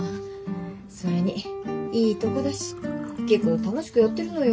それにいいとこだし結構楽しくやってるのよ。